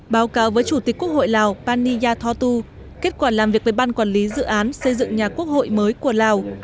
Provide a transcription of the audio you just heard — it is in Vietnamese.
báo cáo với chủ tịch quốc hội lào pani yathotu kết quả làm việc với ban quản lý dự án xây dựng nhà quốc hội mới của lào